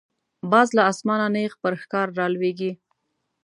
باز له آسمانه نیغ پر ښکار را لویږي